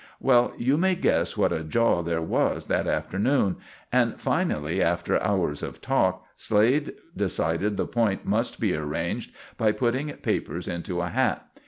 Well, you may guess what a jaw there was that afternoon; and finally, after hours of talk, Slade decided the point must be arranged by putting papers into a hat.